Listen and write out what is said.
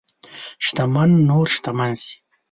شتمن نور شتمن شي.